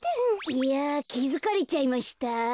いやきづかれちゃいました？